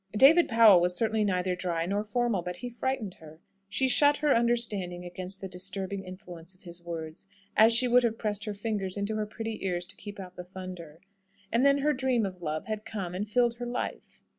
David Powell was certainly neither dry nor formal, but he frightened her. She shut her understanding against the disturbing influence of his words, as she would have pressed her fingers into her pretty ears to keep out the thunder. And then her dream of love had come and filled her life.